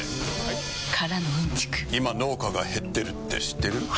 今農家が減ってるって知ってる？